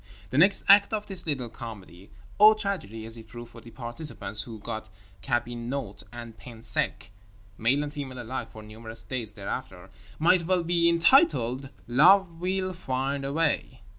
The next act of this little comedy (or tragedy, as it proved for the participants, who got cabinot and pain sec—male and female alike—for numerous days thereafter) might well be entitled "Love will find a way."